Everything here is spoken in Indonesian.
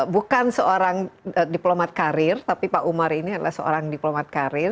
bukan seorang diplomat karir tapi pak umar ini adalah seorang diplomat karir